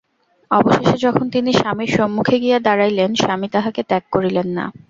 অবশেষে যখন তিনি স্বামীর সম্মুখে গিয়া দাঁড়াইলেন, স্বামী তাঁহাকে ত্যাগ করিলেন না।